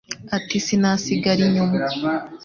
Ati : sinasigara inyuma,